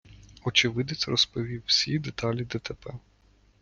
Очевидець розповів всі деталі ДТП.